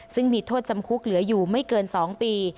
ซึ่งมีโทษจำคุกเหลืออยู่ไม่เกิน๒ปี